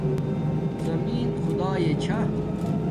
زمین خداݵ چھا